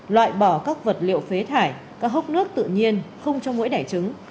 loại bỏ các vật liệu phế thải các hốc nước tự nhiên không cho mũi đẻ trứng